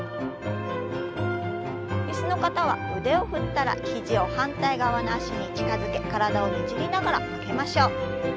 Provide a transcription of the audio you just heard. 椅子の方は腕を振ったら肘を反対側の脚に近づけ体をねじりながら曲げましょう。